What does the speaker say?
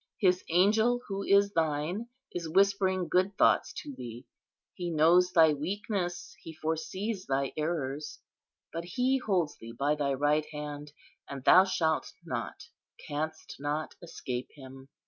His angel, who is thine, is whispering good thoughts to thee. He knows thy weakness; He foresees thy errors; but He holds thee by thy right hand, and thou shalt not, canst not escape Him.